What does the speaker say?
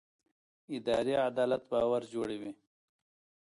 اداري عدالت باور جوړوي